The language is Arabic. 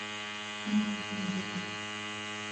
أنا ساكنٌ بالريف.